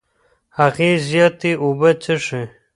هغې زياتې اوبه څښې.